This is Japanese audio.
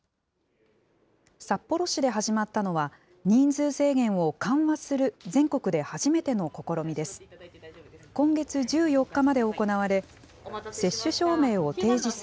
札幌市で始まったのは、人数制限を緩和する全国で初めての試みです。